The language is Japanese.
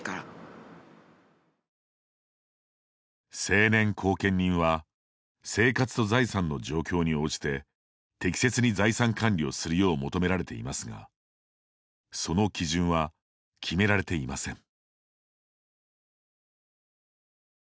成年後見人は生活と財産の状況に応じて適切に財産管理をするよう求められていますがその基準は決められていません。